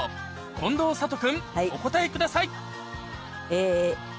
近藤サト君お答えください